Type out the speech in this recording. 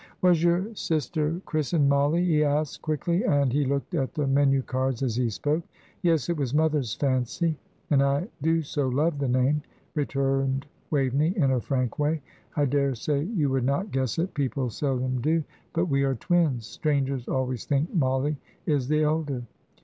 "Was your sister christened Mollie?" he asked, quickly; and he looked at the menu cards as he spoke. "Yes; it was mother's fancy, and I do so love the name," returned Waveney, in her frank way. "I daresay you would not guess it people seldom do but we are twins. Strangers always think Mollie is the elder."